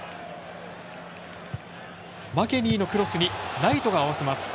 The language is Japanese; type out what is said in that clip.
マケニーのクロスにライトが合わせます。